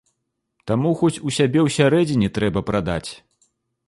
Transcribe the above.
Таму хоць у сябе ўсярэдзіне трэба прадаць.